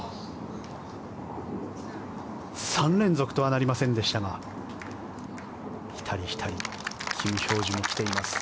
３連続とはなりませんでしたがひたりひたりキム・ヒョージュも来ています。